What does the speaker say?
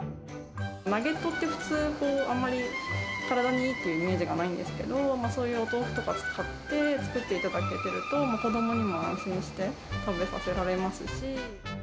ナゲットって普通こう、あんまり体にいいっていうイメージがないんですけど、そういうお豆腐とか使って作っていただけてると、子どもにも安心して食べさせられますし。